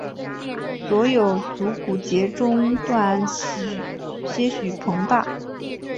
所有足股节中段些许膨大。